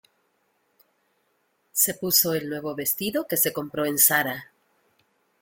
Se puso el nuevo vestido que se compró en Zara.